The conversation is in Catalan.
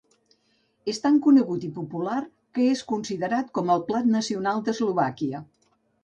És tan conegut i popular que és considerat com el plat nacional d'Eslovàquia.